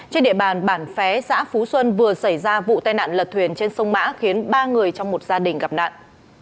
trên địa bàn bản phé xã phú xuân vừa xảy ra vụ tai nạn lật thuyền trên sông mã khiến ba người trong một gia đình gặp nạn